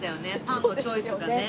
パンのチョイスとかね。